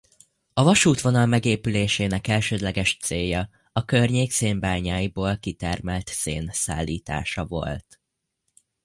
A vasútvonal megépülésének elsődleges célja a környék szénbányáiból kitermelt szén szállítása volt.